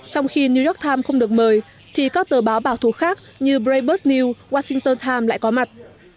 trong khi new york times không được mời thì các tờ báo bảo thủ khác như braybus news washington times lại có mặt